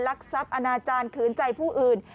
ลักษัตริย์ทรัพย์อาณาจารย์คืนใจผู้อื่น